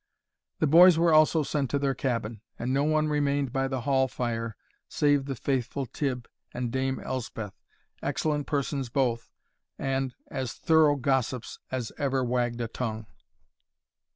The boys were also sent to their cabin, and no one remained by the hall fire save the faithful Tibb and dame Elspeth, excellent persons both, and as thorough gossips as ever wagged a tongue.